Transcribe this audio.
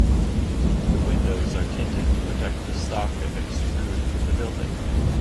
The windows are tinted to protect the stock and extrude from the building.